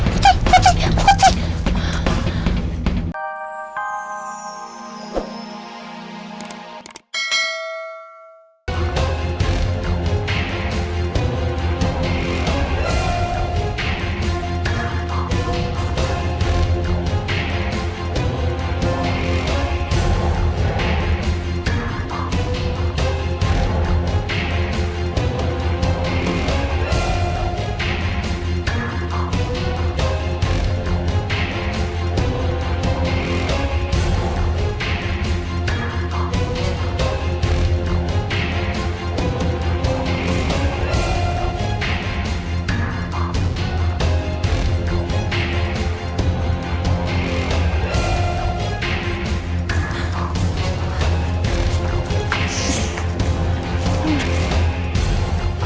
jangan lupa like share dan subscribe ya